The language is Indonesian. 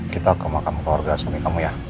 kita ke makam keluarga suami kamu ya